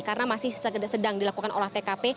karena masih sedang dilakukan olah tkp